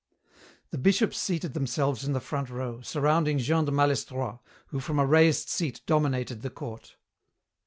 The Bishops seated themselves in the front row, surrounding Jean de Malestroit, who from a raised seat dominated the court.